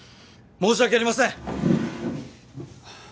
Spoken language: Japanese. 申し訳ありません